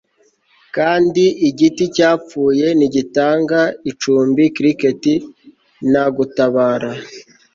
Kandi igiti cyapfuye ntigitanga icumbi cricket nta gutabara